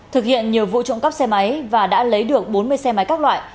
thực hiện nhiều vụ trộm cắp xe máy và đã lấy được bốn mươi xe máy các loại